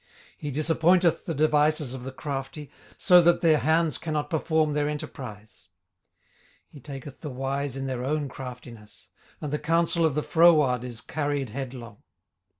18:005:012 He disappointeth the devices of the crafty, so that their hands cannot perform their enterprise. 18:005:013 He taketh the wise in their own craftiness: and the counsel of the froward is carried headlong.